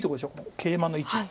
ケイマの位置。